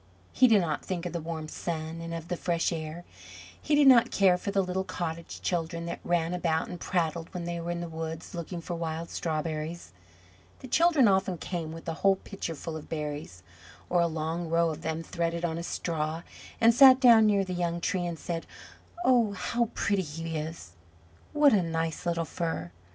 He did not think of the warm sun and of the fresh air; he did not care for the little cottage children that ran about and prattled when they were in the woods looking for wild strawberries. The children often came with a whole pitcher full of berries, or a long row of them threaded on a straw, and sat down near the young tree and said, "Oh, how pretty he is! what a nice little fir!"